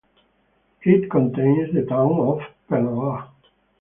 It contains the town of Penela.